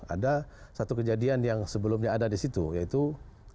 ada satu kejadian yang sebelumnya ada disitu yang itu adalah